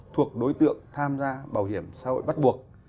thuộc đối tượng tham gia bảo hiểm xã hội bắt buộc